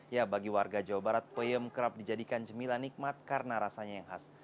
ya bagi warga jawa barat peyem kerap dijadikan cemilan nikmat karena rasanya yang khas